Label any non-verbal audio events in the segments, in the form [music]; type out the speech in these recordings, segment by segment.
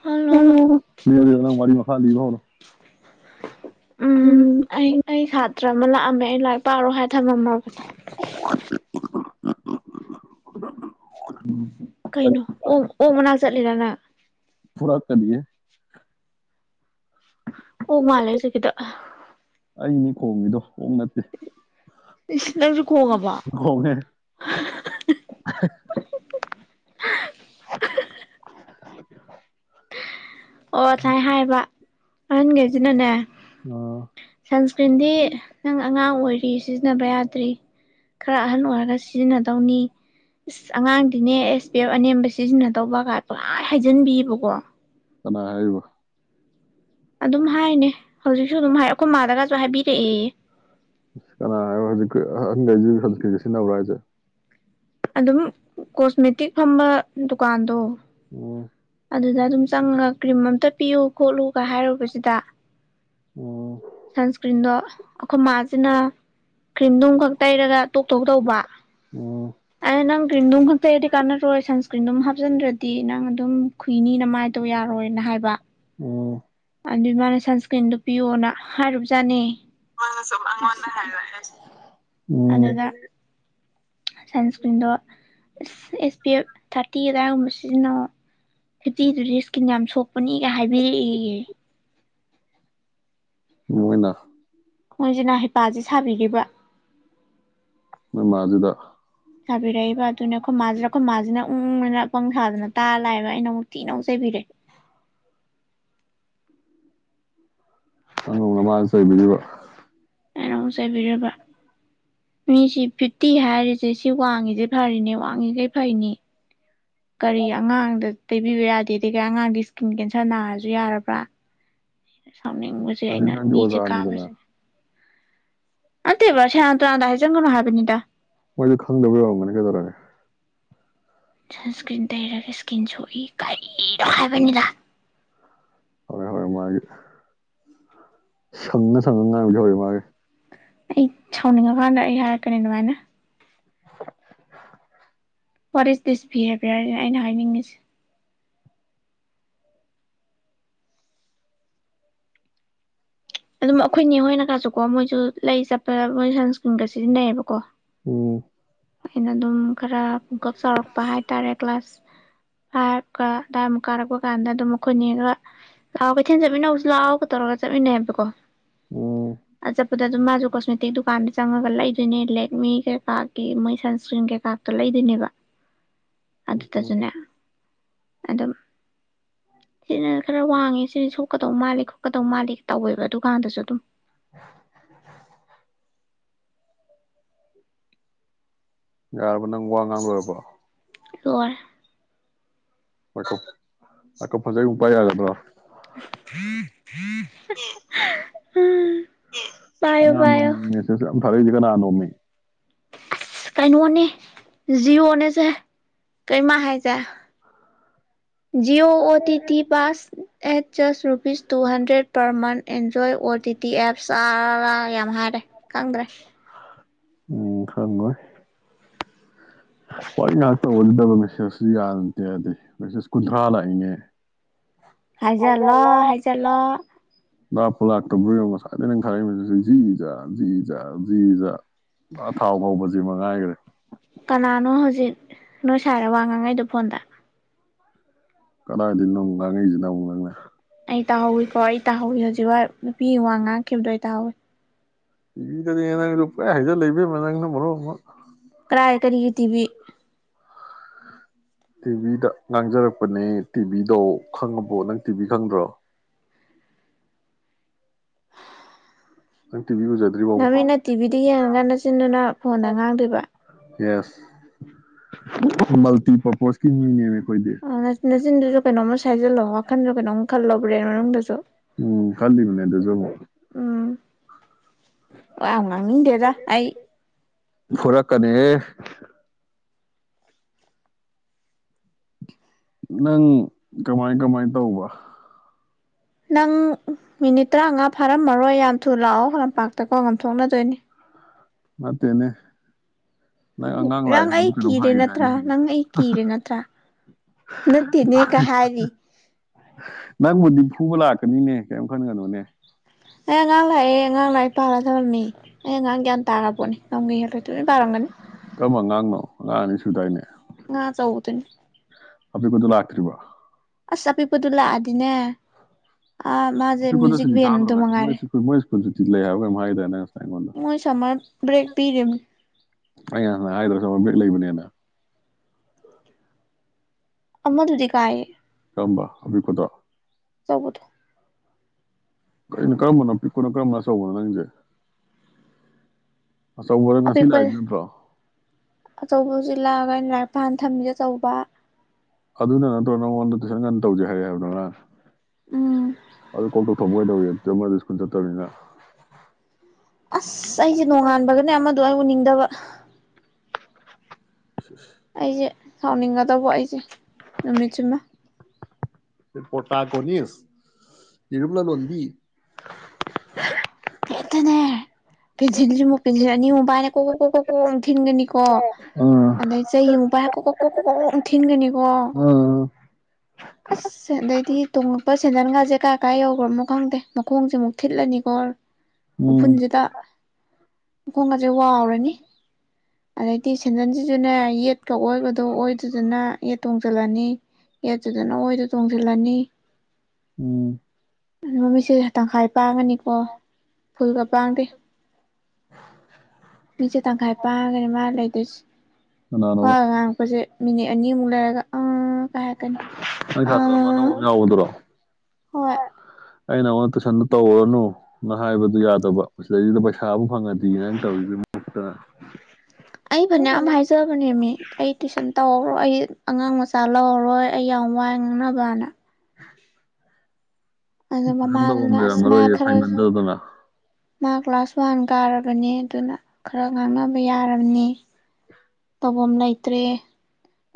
hello ꯅꯪ ꯋꯥꯔꯤ ꯃꯈꯥ ꯂꯤꯕ ꯍꯧꯔꯣ ꯎꯝ ꯑꯩ ꯁꯥꯇ꯭ꯔ ꯑꯃ ꯂꯥꯛꯑꯝꯃꯦ ꯑꯩ ꯂꯥꯏꯔꯤꯛ ꯄꯥꯔꯣ ꯍꯥꯏ ꯊꯝꯃꯝꯃꯕꯅꯦ [unintelligible] ꯀꯩꯅꯣ ꯑꯣꯛ ꯑꯣꯛ ꯃꯅꯥꯛ ꯆꯠꯂꯤꯔ ꯅꯪ ꯐꯨꯔꯛ ꯀꯅꯤꯌꯦ ꯑꯣꯛ ꯃꯥꯜꯂꯦ ꯍꯧꯖꯤꯛꯀꯤꯗꯣ ꯑꯩꯅꯤ ꯈꯣꯡꯉꯤꯗꯣ ꯑꯣꯛ ꯅꯠꯇꯦ ꯏꯁ ꯅꯪꯖꯨ ꯈꯣꯡꯉꯕꯣ ꯈꯣꯡꯉꯦ ꯑꯣ ꯁꯥꯏ ꯍꯥꯏꯕ ꯑꯍꯟꯒꯩꯖꯤꯅꯅꯦ ꯑꯥ ꯁꯟꯁꯀ꯭ꯔꯤꯟꯗꯤ ꯅꯪ ꯑꯉꯥꯡ ꯑꯣꯏꯔꯤ ꯔꯤ ꯁꯤꯖꯤꯟꯅꯕ ꯌꯥꯗ꯭ꯔꯤ ꯈꯔ ꯑꯍꯟ ꯑꯣꯏꯔꯒ ꯁꯤꯖꯤꯟꯅꯗꯧꯅꯤ ꯏꯁ ꯑꯉꯥꯡꯗꯤꯅꯦ ꯑꯦꯁ ꯄꯤ ꯑꯦꯐ ꯑꯅꯦꯝꯕ ꯁꯤꯖꯤꯟꯅꯗꯧꯕ ꯒꯥꯏ ꯄꯪꯍꯥꯏ ꯍꯥꯏꯖꯤꯟꯕꯤꯑꯀꯣ ꯀꯅꯥ ꯍꯥꯏꯔꯤꯕ ꯑꯗꯨꯝ ꯍꯥꯏꯔꯤꯅꯦ ꯍꯧꯖꯤꯛꯁꯨ ꯑꯗꯨꯝ ꯍꯥꯏ ꯑꯩꯈꯣꯏ ꯃꯥꯗꯀꯁꯨ ꯍꯥꯏꯕꯤꯔꯛꯑꯦꯌꯦ ꯀꯅꯥ ꯍꯥꯏꯕ ꯍꯧꯖꯤꯛ ꯑꯍꯟꯒꯩꯖꯤꯖꯨ ꯁꯟꯁꯀ꯭ꯔꯤꯟ ꯁꯤꯖꯤꯟꯅꯕ꯭ꯔꯥ ꯍꯥꯏꯁꯦ ꯑꯗꯨꯝ ꯀꯣꯁꯃꯦꯇꯤꯛ ꯐꯝꯕ ꯗꯨꯀꯥꯟꯗꯣ ꯎꯝ ꯑꯗꯨꯗ ꯑꯗꯨꯝ ꯆꯪꯉꯒ ꯀ꯭ꯔꯤꯝ ꯑꯝꯇ ꯄꯤꯌꯨ ꯈꯣꯠꯂꯨꯀ ꯍꯥꯏꯔꯨꯕꯖꯤꯗ ꯎꯝ ꯁꯟꯁ꯭ꯀꯔꯤꯟꯗꯣ ꯑꯩꯈꯣꯏ ꯃꯥꯖꯤꯅ ꯀ꯭ꯔꯤꯝꯗꯣꯝꯈꯛ ꯇꯩꯔꯒ ꯇꯣꯛꯇꯧ ꯇꯧꯕ ꯎꯝ ꯑꯩꯅ ꯅꯪ ꯀ꯭ꯔꯤꯝꯗꯨꯝꯈꯛ ꯇꯩꯔꯗꯤ ꯀꯥꯟꯅꯔꯣꯏ ꯁꯟꯁꯀ꯭ꯔꯤꯟ ꯗꯨꯝ ꯍꯥꯞꯆꯤꯟꯗ꯭ꯔꯗꯤ ꯅꯪ ꯑꯗꯨꯝ ꯈꯨꯨꯏꯅꯤ ꯅꯃꯥꯏꯇꯣ ꯌꯥꯔꯣꯏꯅ ꯍꯥꯏꯕ ꯎꯝ ꯑꯗꯨꯏ ꯃꯥꯅ ꯁꯟꯁꯀ꯭ꯔꯤꯟꯗꯨ ꯄꯤꯌꯣꯅ ꯍꯥꯏꯔꯨꯕꯖꯥꯅꯦ ꯃꯥꯅꯁꯨꯝ ꯑꯩꯉꯣꯟꯗ ꯍꯥꯏꯕ ꯑꯩꯁ ꯎꯝ ꯑꯗꯨꯗ ꯁꯟꯁꯀ꯭ꯔꯤꯟꯗꯣ ꯑꯦꯁ ꯄꯤ ꯑꯦꯐ ꯊꯥꯔꯇꯤ ꯑꯗꯥꯏꯒꯨꯝꯕ ꯁꯤꯖꯤꯟꯅꯧꯋꯣ ꯐꯤꯇꯤꯗꯨꯗꯤ ꯏꯁ꯭ꯀꯤꯟ ꯌꯥꯝ ꯁꯣꯛꯄꯅꯤꯒ ꯍꯥꯏꯕꯤꯔꯛꯑꯦꯌꯦ ꯃꯣꯏꯅ ꯃꯣꯏꯁꯤꯅ ꯍꯩꯄꯥꯖꯦ ꯁꯥꯕꯤꯒꯤꯕ ꯅꯣꯏꯃꯥꯖꯤꯗ ꯁꯥꯕꯤꯔꯛꯏꯕ ꯑꯗꯨꯅꯦ ꯑꯩꯈꯣꯏ ꯃꯥꯖꯤꯗ ꯑꯩꯈꯣꯏ ꯃꯥꯥꯖꯤꯅ ꯎꯪ ꯎꯪꯑꯅ ꯑꯄꯪ ꯁꯥꯗꯅ ꯇꯥꯔꯂꯥꯛꯑꯦꯕ ꯑꯩꯅ ꯑꯃꯨꯛ ꯊꯤꯅ ꯑꯃꯨꯛ ꯆꯩꯕꯤꯔꯦ ꯅꯪꯅ ꯑꯃꯨꯛ ꯅꯃꯥꯗ ꯆꯩꯕꯤꯔꯤꯕ ꯑꯩꯅ ꯑꯃ ꯆꯩꯕꯤꯔꯤꯕ ꯃꯤꯁꯤ ꯐꯤꯐꯇꯤ ꯍꯥꯏꯔꯤꯁꯦ ꯁꯤ ꯋꯥꯡꯉꯤꯖꯦ ꯐꯔꯤꯅꯦ ꯋꯥꯡꯉꯤꯒꯩ ꯐꯩꯅꯤ ꯀꯔꯤ ꯑꯉꯥꯡꯗ ꯄꯤꯕꯤꯕ ꯌꯥꯗꯦꯗꯤꯒꯤ ꯑꯉꯥꯡꯗꯤ ꯏꯁꯀꯤꯟ ꯀꯦꯟꯁꯔ ꯅꯥꯔꯖꯨ ꯌꯥꯔꯕ꯭ꯔꯥ ꯁꯥꯎꯅꯤꯡꯕꯖꯤ ꯅꯪꯗꯤ ꯑꯩꯅ ꯅꯪꯗꯤ ꯃꯤꯖꯦ ꯑꯣꯖꯥꯅꯤꯗꯅ ꯀꯥꯕꯖꯦ ꯅꯠꯇꯦꯕ ꯁꯦꯔꯟ ꯇꯨꯔꯟꯗꯣ ꯍꯥꯏꯖꯤꯟꯒꯅꯣ ꯍꯥꯏꯕꯅꯤꯗ ꯃꯣꯏꯖꯨ ꯈꯪꯗꯕꯩ ꯑꯣꯏꯔꯝꯒꯅꯤ ꯀꯩꯗꯧꯔꯒꯦ ꯁꯟꯁꯀ꯭ꯔꯤꯟ ꯇꯩꯔꯒ ꯏꯁ꯭ꯀꯤꯟ ꯁꯣꯛꯏ ꯀꯔꯤꯗ ꯍꯥꯏꯕꯅꯤꯗ ꯍꯧꯔꯦ ꯍꯧꯔꯦ ꯃꯥꯒꯤ ꯁꯪꯉ ꯁꯪꯉꯒ ꯉꯥꯡꯕꯤꯖꯦ ꯍꯧꯔꯦ ꯃꯥꯒꯤ ꯑꯩ ꯁꯥꯎꯅꯤꯡꯉꯀꯥꯟꯗ ꯑꯩ ꯍꯥꯏꯔꯛꯀꯅꯤ ꯑꯗꯨꯃꯥꯏꯅ ꯋꯥꯠ ꯏꯁ ꯗꯤꯁ ꯕꯤꯍꯦꯕꯤꯌꯥꯔ ꯑꯩꯅ ꯍꯥꯏꯅꯤꯡꯉꯤꯁꯦ ꯑꯗꯨꯝ ꯑꯩꯈꯣꯏ ꯅꯦ ꯍꯣꯏꯅꯀꯥꯁꯨꯀꯣ ꯃꯣꯏꯁꯨ ꯂꯩ ꯆꯠꯄꯗ ꯃꯣꯏ ꯁꯟꯁ꯭ꯀ꯭ꯔꯤꯟꯒ ꯁꯤꯖꯤꯟꯅꯩꯌꯦꯕꯀꯣ ꯎꯝ ꯑꯩꯅ ꯑꯗꯨꯝ ꯈꯔ ꯄꯨꯨꯡꯀꯞ ꯆꯥꯎꯔꯛꯄ ꯍꯥꯏꯇꯥꯔꯦ ꯀ꯭ꯂꯥꯁ ꯍꯥꯏꯔꯀ ꯗꯥꯏꯃꯨꯛ ꯀꯥꯔꯛꯄ ꯀꯥꯟꯗ ꯑꯗꯨꯝ ꯃꯈꯣꯏꯅꯦꯒ ꯂꯥꯛꯑꯣ ꯀꯩꯊꯦꯜ ꯆꯠꯃꯤꯟꯅꯧꯁꯨ ꯂꯥꯛꯑꯣꯒ ꯇꯧꯔꯒ ꯆꯠꯃꯤꯟꯅꯩꯕꯀꯣ ꯎꯝ ꯗ ꯑꯗꯨꯝ ꯃꯥꯁꯨ ꯀꯣꯁꯃꯦꯇꯤꯛ ꯗꯨꯀꯥꯟꯗ ꯆꯪꯉꯒ ꯂꯩꯗꯣꯏꯅꯦ ꯂꯦꯠꯃꯤ ꯀꯩꯀꯥꯒꯤ ꯃꯣꯏ ꯁꯟꯁ꯭ꯀ꯭ꯔꯤꯟ ꯀꯩꯀꯥꯇꯣ ꯂꯩꯗꯣꯏꯅꯦꯕ ꯑꯗꯨꯗꯁꯨꯅꯦ ꯑꯗꯨꯝ ꯁꯤꯅ ꯈꯔ ꯋꯥꯡꯉꯦ ꯁꯤ ꯁꯣꯛꯀꯗꯧ ꯃꯥꯜꯂꯤ ꯈꯣꯠꯀꯗꯧ ꯃꯥꯜꯂꯤ ꯇꯧꯋꯦꯕ ꯑꯗꯨꯀꯥꯟꯗꯁꯨ ꯑꯗꯨꯝ ꯌꯥꯔꯕꯣ ꯅꯪ ꯋꯥ ꯉꯥꯡ ꯂꯣꯢꯔꯕꯣ ꯂꯣꯢꯔꯦ ꯃꯥꯢꯈ꯭ꯔꯥ ꯐꯣꯟꯁꯦ ꯑꯩ ꯑꯃꯨꯛ ꯌꯥꯒꯗ꯭ꯔꯣ ꯊ ꯊ [unintelligible] [unintelligible] [unintelligible] ꯄꯥꯏꯌꯣ ꯃꯦꯁꯦꯂ ꯒꯥꯟꯅ ꯊꯥꯔꯛꯢꯁꯦ ꯀꯅꯅꯥꯅꯣꯃꯦ ꯑꯁ ꯀꯩꯅꯣꯅꯦ ꯖꯤꯌꯑꯣꯅꯦꯁꯦ ꯀꯩꯅꯣ ꯃꯥ ꯍꯥꯏꯁꯦ ꯖꯤ O T T pass eight ꯆꯁ rupees two hundred ꯄꯔꯃꯟ enjoy O T T app ꯆꯥꯔꯥ ꯌꯥꯝ ꯍꯥꯏꯔꯦ ꯈꯪꯗ꯭ꯔꯦ ꯎꯝ ꯈꯪꯉꯣꯢ ꯍꯣꯏ ꯉꯥꯏꯍꯥꯛꯇꯧꯒꯗꯕ ꯃꯦꯁꯦꯁꯁꯨ ꯌꯥꯔꯨꯗ꯭ꯔꯦ ꯃꯦꯁꯦꯁ ꯀꯨꯟꯊ꯭ꯔꯥ ꯂꯥꯛꯏꯅꯦ ꯍꯥꯢꯖꯜꯂꯣ ꯍꯥꯢꯖꯜꯂꯣ ꯂꯥꯞꯄꯨ ꯂꯥꯛꯇꯕ꯭ꯔꯣ ꯉꯁꯥꯏꯗ ꯅꯪ ꯔꯥꯔꯛꯢ ꯖꯤꯖꯥ ꯖꯤ ꯖꯤꯖꯥ ꯄꯨꯔꯥ ꯊꯥꯎ ꯐꯥꯎꯕꯁꯤ ꯃꯉꯥꯏꯈꯔꯦ ꯀꯅꯥꯅꯣ ꯍꯧꯖꯤꯛ ꯅꯣꯏ ꯁꯥꯢꯔꯦ ꯋꯥ ꯉꯥꯡꯉꯥꯛꯢꯗꯣ ꯐꯣꯟꯗ ꯀꯗꯥꯏꯗꯒꯤꯅꯣ ꯉꯥꯡꯉꯛꯁꯤꯅ ꯑꯃꯨꯛ ꯅꯪꯅ ꯑꯩ ꯇꯥꯍꯧꯋꯤꯀꯣ ꯑꯩ ꯇꯥꯍꯧꯋꯤ ꯍꯧꯖꯤꯛꯋꯥꯢ ꯅꯨꯄꯤꯒꯤ ꯋꯥ ꯉꯥꯡꯈꯤꯕꯗꯣ ꯑꯩ ꯇꯥꯍꯧꯋꯤ ꯊꯤꯕꯤꯗ꯭ꯔꯦꯅ ꯅꯪꯁꯨ ꯄꯨꯡꯍꯥꯢ ꯍꯥꯏꯖꯤꯜꯂꯦ ꯢꯕꯦꯝꯃꯥ ꯅꯪꯅ ꯃꯔꯣꯟ ꯑꯃ ꯀ꯭ꯔꯥꯏ ꯀꯔꯤꯒꯤ ꯇꯤꯕꯤ ꯇꯤꯚꯤꯗ ꯉꯥꯡꯖꯔꯛꯄꯅꯦ ꯇꯤꯚꯤꯗꯣ ꯈꯪꯉꯕꯣ ꯅꯪ ꯇꯤꯚꯤ ꯈꯪꯗ꯭ꯔꯣ ꯅꯪ ꯇꯤꯕꯤ ꯎꯖꯥꯗ꯭ꯔꯣ ꯅꯃꯤꯠꯅ ꯇꯤꯚꯤꯗ ꯌꯦꯡꯉꯒꯥ ꯅꯆꯤꯟꯗꯨꯅ ꯐꯣꯟꯗ ꯉꯥꯡꯗꯣꯏꯕ ꯌꯦꯁ ꯃꯜꯇꯤ ꯄꯔꯄꯣꯁꯀꯤ ꯃꯤꯅꯦꯃꯦ ꯑꯩꯈꯣꯏꯗꯤ ꯅꯆꯤꯟꯗꯨꯁꯨ ꯀꯩꯅꯣꯝꯃ ꯁꯥꯏꯖꯜꯂꯣ ꯋꯥꯈꯜꯟꯁꯨ ꯀꯩꯅꯣꯝ ꯈꯜꯂꯣ ꯕ꯭ꯔꯦꯟ ꯃꯅꯨꯡꯗꯁꯨ ꯎꯝ ꯀꯜꯂꯤꯝꯅꯦ ꯑꯗꯨꯖꯨ ꯑꯃꯨꯛ ꯎꯝ ꯋꯥ ꯌꯥꯝ ꯉꯥꯡꯅꯤꯗꯦꯗꯥ ꯑꯩ ꯐꯨꯔꯛꯀꯅꯤꯍꯦ ꯅꯪ ꯀꯃꯥꯏ ꯀꯃꯥꯏ ꯇꯧꯕ ꯅꯪ ꯃꯤꯅꯤꯠ ꯇꯔꯥꯃꯉꯥ ꯐꯥꯔꯝꯃꯔꯣꯏ ꯌꯥꯝ ꯊꯨ ꯂꯥꯛꯑꯣ ꯂꯝꯄꯥꯛꯇꯀꯣ ꯉꯝꯊꯣꯛꯅꯗꯣꯏꯅꯤ ꯅꯠꯇꯦꯅꯦ ꯂ ꯑꯉꯥꯡ ꯅꯪ ꯂꯥꯛꯑꯦꯅ ꯑꯩ ꯑꯃꯨꯛ ꯀꯩꯅꯣꯝ ꯀꯤꯔꯦ ꯍꯥꯏꯈꯤꯗꯥꯢꯅꯦ ꯅꯠꯇ꯭ꯔꯥ ꯍꯧꯖꯤꯛꯇ ꯅꯪ ꯑꯩ ꯀꯤꯔꯦ ꯅꯠꯇ꯭ꯔꯥ ꯅꯠꯇꯦꯅꯦ ꯀ ꯍꯥꯏꯔꯤ [unintelligible] ꯅꯪꯕꯨꯗꯤ ꯐꯨꯕ ꯂꯥꯛꯀꯅꯤꯅꯦ ꯀꯔꯤꯝ ꯈꯟꯒꯅꯨꯅꯦ ꯑꯩ ꯑꯉꯥꯡ ꯂꯥꯛꯑꯦ ꯑꯉꯥꯡ ꯂꯥꯏꯔꯤꯛ ꯄꯥꯒꯗꯧꯕ ꯃꯤ ꯑꯩ ꯑꯉꯥꯡ ꯒ꯭ꯌꯥꯟ ꯇꯥꯒ꯭ꯔꯥ ꯄꯣꯠꯅꯤ ꯂꯝꯒ ꯍꯦꯟꯂꯣꯏ ꯇꯨꯃꯤꯟ ꯄꯥꯔꯝꯒꯅꯤ ꯀꯔꯝꯕ ꯑꯉꯥꯡꯅꯣ ꯑꯉꯥꯡ ꯑꯅꯤ ꯁꯨꯗꯥꯏꯅꯦ ꯑꯉꯥꯡ ꯑꯆꯧꯕꯗꯨꯅꯤ ꯑꯄꯤꯛꯄꯗꯨ ꯂꯥꯛꯇꯔꯤꯕꯣ ꯑꯁ ꯑꯄꯤꯛꯄꯗꯣ ꯂꯥꯛꯑꯗꯤꯅꯦ ꯑ ꯃꯥꯖꯦ ꯑꯄꯤꯛꯄꯗꯣ ꯃ꯭ꯌꯨꯖꯤꯛ ꯁꯨꯇꯤ ꯕꯦꯟꯗꯨ ꯊꯥꯗ꯭ꯔꯣ ꯉꯁꯤ ꯃꯣꯏ ꯃꯉꯥꯏꯔꯦ ꯁ꯭ꯀꯨꯜ ꯃꯣꯏ ꯁ꯭ꯀꯨꯜ ꯁꯨꯇꯤ ꯂꯩ ꯍꯥꯏꯕ꯭ꯔꯥ ꯀꯩꯅꯣꯝ ꯍꯥꯏꯒꯤꯗꯥꯏꯅꯦ ꯃꯣꯏ ꯁꯝꯃꯔ ꯕ꯭ꯔꯦꯛ ꯄꯤꯔꯤꯝꯅꯤ ꯑꯩ ꯉꯍꯥꯟꯅ ꯍꯥꯏꯗ꯭ꯔꯣ ꯁꯝꯃꯔ ꯕ꯭ꯔꯦꯛ ꯂꯩꯕꯅꯦꯅ ꯑꯃꯗꯨꯗꯤ ꯀꯥꯏꯌꯦ ꯀꯔꯝꯕ ꯑꯄꯤꯛꯄꯗꯣ ꯑꯆꯧꯕꯗꯣ ꯀꯩꯅꯣ ꯀꯔꯝꯕꯅꯣ ꯑꯄꯤꯛꯄꯅꯣ ꯀꯔꯝꯕ ꯑꯆꯧꯕꯅꯣ ꯅꯪꯒꯤꯖꯦ ꯑꯆꯧꯕ ꯉꯁꯤ ꯑꯄꯤꯛꯄ ꯂꯥꯛꯏꯁꯤ ꯅꯠꯇ꯭ꯔꯣ ꯑꯆꯧꯕ ꯍꯧꯖꯤꯛ ꯂꯥꯛꯑꯒ ꯑꯩꯅ ꯂꯥꯏꯔꯤꯛ ꯄꯥꯍꯟ ꯊꯝꯃꯤꯁꯦ ꯑꯆꯧꯕ ꯑꯗꯨꯅ ꯅꯠꯇ꯭ꯔꯣ ꯅꯪꯉꯣꯟꯗ ꯇꯨꯏꯁꯟ ꯉꯟꯅ ꯇꯧꯖꯦ ꯍꯥꯏꯔꯛꯑꯦ ꯍꯥꯏꯕꯗꯣ ꯉꯔꯥꯡ ꯎꯝ ꯑꯗꯨ ꯀꯣꯛꯇꯣꯛꯄ ꯀꯩꯗꯧꯋꯤ ꯑꯗꯨꯗ ꯃꯣꯏꯗꯣ ꯁ꯭ꯀꯨꯜ ꯆꯠꯇꯕꯅꯤꯅ ꯑꯁ ꯑꯩꯁꯦ ꯅꯣꯡꯉꯥꯟꯕꯒꯅꯦ ꯑꯃꯗꯣ ꯑꯩ ꯎꯅꯤꯡꯗꯕ [inaudible] ꯑꯩꯖꯦ ꯁꯥꯎꯅꯤꯡꯒꯗꯧꯕ ꯑꯩꯖꯦ ꯅꯨꯃꯤꯠꯁꯤꯃ ꯍꯦ ꯄ꯭ꯔꯣꯇꯥꯒꯣꯅꯤꯁ ꯌꯦꯔꯨꯝ ꯂꯂꯣꯟꯕꯤ [unintelligible] ꯑꯦ ꯄꯤꯟꯁꯤꯜꯖꯦꯃꯨꯛ ꯄꯦꯟꯁꯤꯜ ꯑꯅꯤꯃꯨꯛ ꯄꯥꯏꯔ ꯀꯣꯛ ꯀꯣꯛ ꯀꯣꯛ ꯀꯣꯛ ꯀꯣꯛ ꯑꯃꯨꯛ ꯊꯤꯟꯒꯅꯤ ꯀꯣ ꯑꯥ ꯑꯗꯩ ꯆꯩ ꯑꯃꯨꯛ ꯄꯥꯏꯔꯒ ꯀꯣꯛ ꯀꯣꯛ ꯀꯣꯛ ꯀꯣꯛ ꯀꯣꯛ ꯑꯃꯨꯛ ꯊꯤꯟꯒꯅꯤ ꯀꯣ ꯑꯥ ꯑꯁ ꯑꯗꯩꯗꯤ ꯇꯣꯡꯉꯛꯄ ꯁꯦꯟꯗꯟꯒꯥꯁꯦ ꯀꯥꯏ ꯀꯥꯏ ꯌꯧꯒ꯭ꯔꯝꯅꯣ ꯈꯪꯗꯦ ꯃꯈꯣꯡꯖꯦ ꯑꯃꯨꯛ ꯊꯤꯜꯂꯅꯤꯀꯣ [inaudible] ꯎꯐꯨꯟꯖꯤꯗ ꯃꯈꯣꯡꯒꯁꯦ ꯋꯥꯎꯔꯅꯤ ꯑꯗꯩꯗꯤ ꯁꯦꯟꯗꯟꯖꯤꯖꯨꯅꯦ ꯌꯦꯠꯀ ꯑꯣꯏꯒꯗꯣ ꯑꯣꯏꯗꯨꯗꯅ ꯌꯦꯠ ꯇꯣꯡꯖꯤꯜꯂꯅꯤ ꯑꯗꯨꯗꯅ ꯑꯣꯏꯗꯣ ꯇꯣꯡꯖꯤꯜꯂꯅꯤ ꯎꯝ ꯑꯗꯨ ꯃꯃꯤꯠꯁꯦ ꯇꯪꯈꯥꯏ ꯄꯥꯡꯉꯅꯤꯀꯣ ꯐꯨꯜꯒ ꯄꯥꯡꯗꯦ [inaudible] ꯃꯤꯠꯁꯦ ꯇꯪꯈꯥꯏ ꯄꯥꯡꯉꯒꯅꯤ ꯃꯥ ꯂꯩꯗꯣꯏꯖꯦ ꯀꯅꯥꯅꯣꯕ ꯋꯥꯒ ꯉꯥꯡꯉꯛꯄꯁꯦ ꯃꯤꯅꯤꯠ ꯑꯅꯤꯃꯨꯛ ꯂꯩꯔꯒ ꯑꯥ ꯀꯥꯏ ꯍꯥꯏꯔꯛꯀꯅꯤ ꯑꯥ ꯍꯣꯏ [unintelligible] ꯑꯩ ꯅꯉꯣꯟꯗ ꯇꯨꯏꯁꯟꯗꯣ ꯇꯧꯔꯨꯔꯅꯨ ꯅ ꯍꯥꯏꯕꯗꯤ ꯌꯥꯗꯕ ꯃꯁꯤꯗꯩꯁꯤꯗ ꯄꯩꯁꯥꯕꯨ ꯐꯪꯉꯗꯤꯅ ꯅꯪ ꯇꯧꯔꯤ ꯃꯨꯛꯇꯅ ꯑꯩ ꯐꯅꯌꯥꯝ ꯍꯥꯏꯖ ꯅꯦꯃꯤ ꯑꯩ ꯇꯨꯏꯁꯟ ꯇꯧꯔꯔꯣꯏ ꯑꯩ ꯑꯉꯥꯡ ꯃꯆꯥ ꯂꯧꯔꯔꯣꯏ ꯑꯩ ꯌꯥꯝ ꯋꯥꯏ ꯉꯥꯡꯅꯕꯅ ꯑꯗ ꯇꯨꯏꯁꯟ ꯇꯧꯕꯝ ꯃꯃꯥꯗꯨꯅ ꯑꯁ ꯃꯥ ꯂꯩꯔꯝꯃꯔꯣꯏꯌꯦ ꯈꯔ ꯍꯩꯃꯟꯗꯗꯅ ꯃꯥ ꯀ꯭ꯂꯥꯁ ꯋꯥꯟ ꯀꯥꯔꯕꯅꯤ ꯑꯗꯨꯅ ꯈꯔ ꯉꯥꯡꯅꯕ ꯌꯥꯔꯝꯅꯤ ꯇꯧꯕꯝ ꯂꯩꯇ꯭ꯔꯦ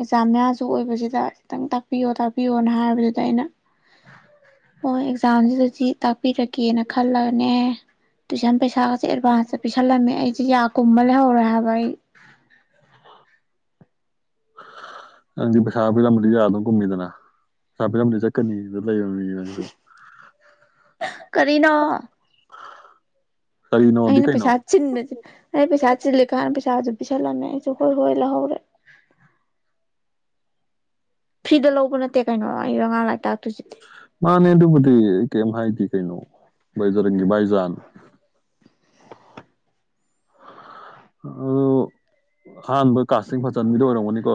ꯑꯦꯛꯖꯥꯝ ꯃꯌꯥꯁꯨ ꯑꯣꯏꯕꯖꯤꯗ ꯈꯤꯇꯪ ꯇꯥꯛꯄꯤꯌꯣ ꯇꯥꯛꯄꯤꯌꯣꯅ ꯍꯥꯏꯕꯗꯨꯗ ꯑꯩꯅ ꯑꯣ ꯑꯦꯛꯖꯥꯝꯁꯤꯗꯗꯤ ꯇꯥꯛꯄꯤꯔꯒꯦꯅ ꯈꯜꯂꯒꯅꯦ ꯇꯨꯏꯁꯟ ꯄꯩꯁꯥꯒꯁꯦ ꯑꯦꯗꯚꯥꯟꯁꯇ ꯄꯤꯁꯜꯂꯝꯃꯦ ꯑꯩꯁꯦ ꯌꯥ ꯀꯨꯝꯃ ꯂꯩꯍꯧꯔꯦ ꯍꯥꯏꯕ ꯑꯩ [inaudible] ꯅꯪꯗꯤ ꯄꯩꯁꯥ ꯄꯤꫪꯝꯕꯗꯤ ꯌꯥꯕ ꯒꯨꯝꯃꯤꯗꯅ ꯄꯩꯁꯥ ꯄꯤꫪꯝꯕꯗꯤ ꯆꯠꯀꯅꯤꯗ ꯂꯩꯕ ꯃꯤꯅꯤ ꯅꯪꯖꯨ ꯀꯔꯤꯅꯣ ꯀꯔꯤꯅꯣꯗꯤ ꯑꯩꯅ ꯀꯩꯅꯣ ꯄꯩꯁꯥ ꯆꯤꯟꯕꯁꯦ ꯑꯩ ꯄꯩꯁꯥ ꯆꯤꯂꯤ ꯈꯪꯉ ꯄꯩꯁꯥꯁꯨ ꯄꯤꯁꯜꯂꯝꯃꯦ ꯑꯩꯁꯨ ꯍꯣꯏ ꯍꯣꯏ ꯂꯧꯍꯧꯔꯦ [unintelligible] ꯐ꯭ꯔꯤꯗ ꯂꯧꯕ ꯅꯠꯇꯦ ꯀꯩꯅꯣ ꯑꯩ ꯑꯉꯥꯡ ꯂꯥꯏꯇꯥꯛꯇꯨꯁꯤꯗꯤ ꯃꯥꯅꯦ ꯑꯗꯨꯕꯨꯗꯤ ꯑꯩ ꯀꯩꯝ ꯍꯥꯏꯗꯤ ꯀꯩꯅꯣ ꯕꯥꯏꯖꯔꯪꯒꯤ ꯕꯥꯏꯖꯥꯟ [unintelligible] ꯑꯎ ꯑꯍꯥꯟꯕ ꯀꯥꯁꯁꯤꯡ ꯐꯖꯟꯕꯤꯗ ꯑꯣꯏꯔꯝꯒꯅꯤꯀꯣ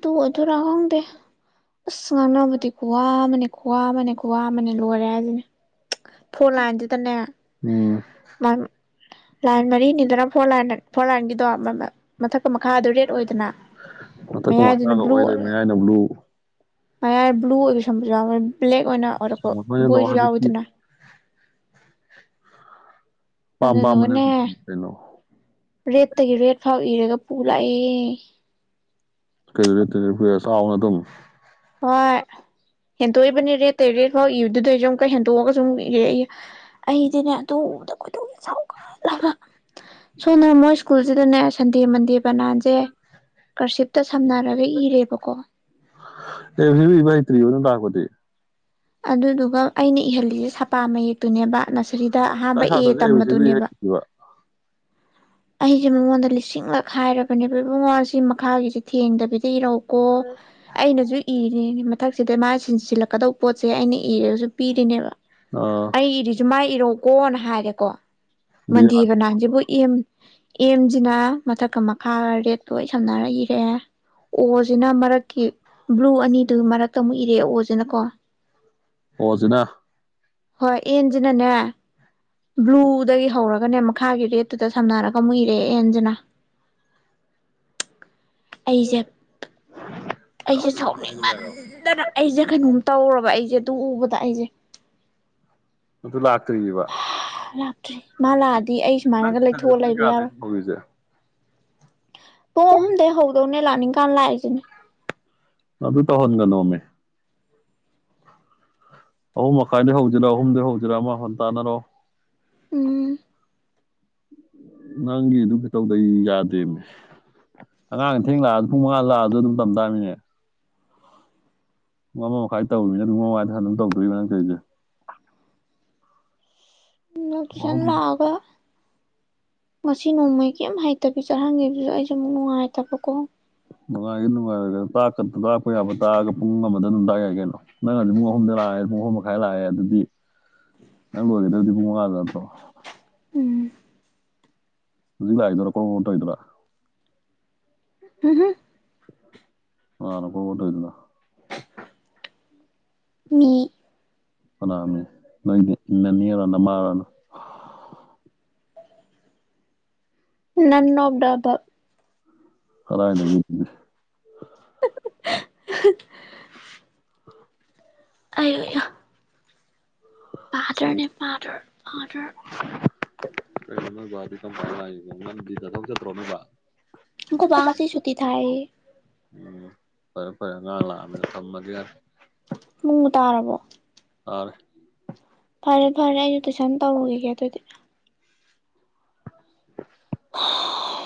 ꯇꯨ ꯑꯗꯨꯔꯥ ꯈꯪꯗꯦ ꯑꯁ ꯉꯥꯟꯅꯕꯗꯤ ꯋꯥ ꯃꯅꯦ ꯈꯨꯋꯥ ꯑꯃꯅꯦ ꯈꯨꯋꯥ ꯑꯃꯅꯦ ꯂꯣꯏꯔꯦ ꯍꯥꯏꯖꯤꯅꯤ ꯐꯣꯂꯥꯢꯟꯗꯨꯗꯅꯦ ꯎꯝ ꯃꯝ ꯂꯥꯏꯟ ꯃꯔꯤꯅꯤꯗꯅ ꯐꯣꯔ ꯂꯟ ꯐꯣꯔ ꯂꯥꯏꯟꯒꯤꯗꯣ ꯃꯃꯦ ꯃꯊꯛꯀ ꯃꯈꯥꯗ ꯔꯦꯗ ꯑꯣꯏꯗꯅ ꯃꯌꯥꯏꯗꯨꯅ ꯕ꯭ꯂꯨ ꯅ ꯕ꯭ꯂꯨ ꯃꯌꯥ ꯕ꯭ꯂꯨ ꯑꯣꯏꯕ ꯁꯝꯕꯁꯨ ꯌꯥꯎꯋꯦ ꯕ꯭ꯂꯦꯛ ꯑꯣꯏꯅ ꯑꯣꯏꯔꯛꯄ ꯕꯣꯏꯖꯨ ꯍꯧꯖꯤꯛꯇꯤ ꯌꯥꯎꯏꯗꯅ ꯑꯄꯥꯝ ꯄꯥꯝꯕꯅ ꯑꯗꯨꯗꯨꯒꯅꯦ ꯀꯩꯅꯣ ꯔꯦꯠꯇꯒꯤ ꯔꯦꯠ ꯐꯥꯎ ꯏꯔꯒ ꯄꯨ ꯂꯥꯛꯑꯦ ꯀꯩꯗꯦ ꯇꯔ ꯄꯨꯔꯦ ꯆꯥꯎꯅ ꯑꯗꯨꯝ ꯍꯣꯏ ꯍꯦꯟꯇꯣꯛꯏꯕꯅꯤ ꯔꯦꯠ ꯇ ꯔꯦꯠ ꯐꯥꯎ ꯏꯕꯗꯨꯗꯩꯖꯨ ꯑꯃꯨꯛꯀ ꯍꯦꯟꯇꯣꯛꯑꯒꯖꯨꯝ ꯏꯔꯛꯏꯌꯦ ꯑꯩꯗꯤꯅꯦ ꯑꯗꯨ ꯎꯕꯗꯥ ꯈꯣꯏꯗꯧ ꯁꯥꯎ ꯁꯣꯝꯗꯅ ꯃꯣꯏ ꯁ꯭ꯀꯨꯜꯁꯤꯗꯅꯦ ꯁꯟꯗꯦ ꯃꯟꯗꯦ ꯕꯅꯥꯟꯁꯦ ꯀꯔꯁꯤꯞꯇ ꯁꯝꯅꯔꯒ ꯏꯔꯦꯕꯀꯣ ꯑꯦꯔꯤꯅ ꯏꯕ ꯍꯩꯇ꯭ꯔꯤ ꯑꯨꯅ ꯇꯥꯛꯄꯗꯤ ꯑꯗꯨꯗꯨꯒ ꯑꯩꯅ ꯏꯍꯜꯂꯤꯖꯦ ꯁꯄꯥ ꯃꯌꯦꯛꯇꯨꯅꯦꯕ ꯅꯁꯔꯤꯗ ꯑꯍꯥꯟꯕ ꯑꯦ ꯇꯝꯕꯗꯨꯅꯦꯕ ꯏꯋꯥ ꯑꯩꯁꯦ ꯃꯉꯣꯟꯗ ꯂꯤꯁꯤꯡꯂꯛ ꯈꯥꯏꯔꯕꯅꯦꯕ ꯏꯕꯨꯡꯉꯣ ꯁꯤ ꯃꯈꯥꯒꯤꯖꯦ ꯊꯦꯡꯗꯕꯤꯗ ꯏꯔꯧ ꯀꯣ ꯑꯩꯅꯖꯨ ꯏꯔꯦꯅꯦꯌꯦ ꯃꯊꯛꯁꯤꯗ ꯃꯥ ꯁꯤꯟꯁꯤꯜꯂꯛꯀꯗꯧ ꯄꯣꯠꯁꯦ ꯑꯩꯅ ꯏꯔꯒꯁꯨ ꯄꯤꯔꯤꯅꯦꯕ ꯑ ꯑꯩ ꯏꯔꯤꯖꯦ ꯃꯥꯏ ꯏꯔꯣꯀꯣꯅ ꯍꯥꯏꯔꯦꯀꯣ ꯃꯟꯗꯤꯔ ꯕꯅꯥꯟꯖꯤꯕꯨ ꯑꯦꯝ ꯑꯦꯝꯖꯤꯅ ꯃꯊꯛꯀ ꯃꯈꯥꯒ ꯔꯦꯠ ꯂꯣꯏ ꯁꯝꯅꯔ ꯏꯔꯛꯑꯦ ꯑꯣꯅ ꯃꯔꯛꯀꯤ ꯕ꯭ꯂꯨ ꯑꯅꯤꯗꯨ ꯃꯔꯛꯇ ꯑꯃꯨꯛ ꯏꯔꯛꯑꯦ ꯑꯣꯖꯤꯅ ꯀꯣ ꯑꯣꯖꯤꯅ ꯍꯣꯏ ꯑꯦꯟꯖꯤꯅꯅꯦ ꯕ꯭ꯂꯨꯗꯒꯤ ꯍꯧꯔꯒꯅꯦ ꯃꯈꯥꯒꯤ ꯔꯦꯠꯇꯨꯗ ꯁꯝꯅꯔꯒ ꯑꯃꯨꯛ ꯏꯔꯦ ꯑꯦꯟꯖꯤꯅ [inaudible] ꯑꯩꯖꯦ ꯑꯩꯁꯦ ꯁꯥꯎꯅꯤꯡꯃꯟꯗꯕ ꯑꯩꯖꯦ ꯀꯩꯅꯣꯝ ꯇꯧꯔꯕ ꯑꯩꯖꯦ ꯑꯗꯨ ꯎꯕꯗ ꯑꯩꯖꯦ ꯑꯗꯨ ꯂꯥꯛꯇ꯭ꯔꯤꯕ ꯂꯥꯛꯇ꯭ꯔꯤ ꯃꯥ ꯂꯥꯛꯑꯗꯤ ꯑꯩ ꯁꯨꯃꯥꯏꯅꯒ ꯂꯩꯊꯣꯛꯑ ꯂꯩꯕ ꯌꯥꯔꯣꯏ ꯍꯧꯏꯖꯦ ꯄꯨꯡ ꯑꯍꯨꯝꯗꯩ ꯍꯧꯗꯧꯅꯦ ꯂꯥꯛꯅꯤꯡ ꯀꯥꯟ ꯂꯥꯛꯏꯁꯤꯅꯤ ꯑꯗꯨ ꯇꯧꯍꯟꯒꯅꯣꯃꯦ ꯑꯍꯨꯝ ꯃꯈꯥꯏꯗꯩ ꯍꯧꯖꯤꯔꯥ ꯑꯍꯨꯝꯗ ꯍꯧꯖꯤꯔꯥ ꯑꯃ ꯇꯥꯅꯔꯣ ꯎꯝ ꯅꯪꯒꯤ ꯑꯗꯨ ꯈꯨꯇꯧꯗꯧ ꯌꯥꯗꯦꯅꯦ ꯑꯉꯥꯡ ꯑꯊꯦꯛ ꯂꯥꯛꯑ ꯄꯨꯡ ꯃꯉꯥ ꯂꯥꯛꯑ ꯑꯗꯨꯝ ꯇꯝ ꯇꯥꯅꯤꯅꯦ ꯄꯨ ꯑꯃ ꯃꯈꯥꯏ ꯇꯧꯔꯤꯅꯤ ꯑꯗꯨꯪ ꯃꯃꯗ ꯍ ꯑꯗꯨ ꯇꯧꯗꯣꯛꯏꯕ ꯅꯪ ꯇꯧꯏꯖꯦ ꯂꯛꯁꯟ ꯑꯍꯨꯝ ꯂꯥꯛꯑꯒ ꯉꯁꯤ ꯅꯣꯡꯃꯩ ꯀꯦꯝ ꯍꯩꯇꯕꯤ ꯆꯠꯍꯟꯒꯤꯕꯗꯖꯨ ꯑꯩꯁꯦꯦ ꯑꯃꯨꯛ ꯅꯨꯡꯉꯥꯏꯇꯕꯀꯣ ꯅꯨꯡꯉꯥꯏꯒꯦ ꯅꯨꯡꯉꯥꯏꯔꯣꯢꯒꯦꯔ ꯇꯥꯛꯀ ꯇꯥꯛꯄ ꯌꯥꯕ ꯇꯥꯛꯑꯒ ꯄꯨꯡ ꯑꯃꯗ ꯑꯗꯨꯝ ꯇꯌꯥꯏ ꯀꯩꯅꯣ ꯅꯪꯗꯤ ꯄꯨꯡ ꯑꯍꯨꯝꯗ ꯂꯥꯛꯑꯦ ꯄꯨꯡ ꯑꯍꯨꯝ ꯃꯈꯥꯏ ꯂꯥꯛꯑꯦ ꯑꯗꯨꯗꯤ ꯅꯪ ꯂꯣꯏꯒꯗꯕꯗꯤ ꯄꯨꯡ ꯃꯉꯥꯗ ꯅꯠꯇ꯭ꯔꯣ ꯎꯝ ꯍꯧꯖꯤꯛ ꯂꯥꯛꯑꯦꯗꯣꯔ ꯀꯣꯔꯣꯡ ꯔꯣꯡ ꯇꯧꯏꯗꯨꯔꯥ [unintelligible] [unintelligible] ꯃꯤ ꯀꯅꯥꯅꯣ ꯅꯪꯒꯤ ꯅꯥꯅꯦꯔꯥ ꯅꯥꯃꯔꯥ [inaudible] ꯅꯟ ꯑꯣꯐ ꯗꯥ ꯑꯕꯞ ꯀꯥꯗꯥꯏꯗꯒꯤ [unintelligible] [inaudible] ꯑꯩꯌꯣꯌꯣ ꯄꯥꯗꯔꯅꯦ ꯄꯥꯗꯔ ꯄꯥꯗꯔ [unintelligible] ꯑꯈꯣꯕꯥ ꯉꯥꯁꯤ ꯁꯨꯇꯤ ꯊꯥꯏꯌꯦ ꯎꯝ ꯐꯔꯦ ꯐꯔꯦ ꯉꯔꯥꯡ ꯂꯛꯑꯝꯃꯤꯅ ꯊꯝꯃꯒꯦꯌꯔ ꯄꯨꯡ ꯇꯥꯔꯕꯣ ꯇꯥꯔꯦ ꯐꯔꯦ ꯐꯔꯦ ꯑꯩꯁꯨ ꯇꯨꯏꯁꯟ ꯇꯧꯔꯨꯒꯤꯒꯦ ꯑꯗꯨꯗꯤ [unintelligible]